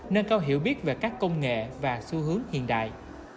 nâng cao hiểu biết về các công nghệ và xu hướng hiện đại